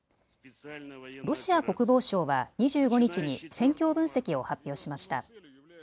ロシア国防省は２５日に戦況分析を発表しました。